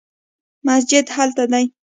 مسجد هلته دی